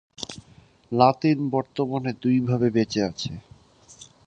লাতিন বর্তমানে দুইভাবে বেঁচে আছে।